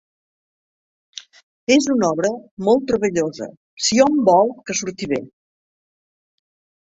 És una obra molt treballosa, si hom vol que surti bé.